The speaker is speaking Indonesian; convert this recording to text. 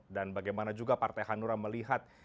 dan bagaimana juga partai hanura melihat